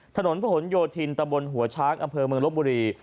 ถนนผนโยธินตะบนหัวช้างอำเภอเมืองลบบุรี